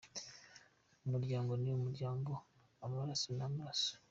Umuryango ni umuryango, amaraso ni amaraso.